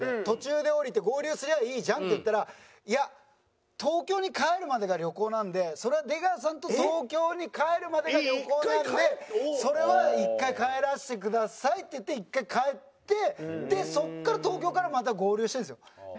「途中で降りて合流すりゃいいじゃん」って言ったら「いや東京に帰るまでが旅行なんでそれは出川さんと東京に帰るまでが旅行なんでそれは一回帰らせてください」って言って一回帰ってでそこから東京からまた合流してるんですよ。